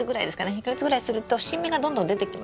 １か月ぐらいすると新芽がどんどん出てきます。